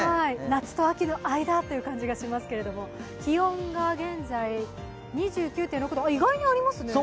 夏と秋の間という感じがしますけれども、気温が現在、２９．６度意外にありますね。